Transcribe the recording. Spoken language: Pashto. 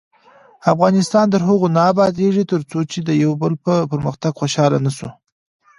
افغانستان تر هغو نه ابادیږي، ترڅو د یو بل په پرمختګ خوشحاله نشو.